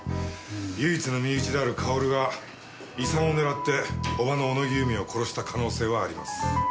唯一の身内であるかおるが遺産を狙っておばの小野木由美を殺した可能性はあります。